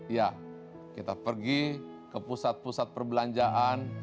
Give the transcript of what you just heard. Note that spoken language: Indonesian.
ya kita pergi ke pusat pusat perbelanjaan